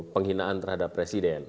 penghinaan terhadap presiden